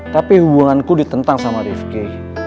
tapi hubunganku ditentang sama rifqi